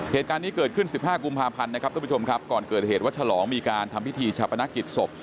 เหตุการณ์นี้เกิดขึ้น๑๕กุมภาพันธ์นะครับทุกผู้ชมครับก่อนเกิดเหตุวัดฉลองมีการทำพิธีชาปนกิจศพ